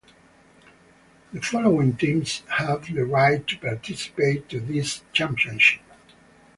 The following teams have the right to participate to this championship.